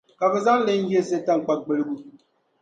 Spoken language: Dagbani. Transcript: Ka bɛ zaŋ li n-yiɣisi taŋkpagbiligu.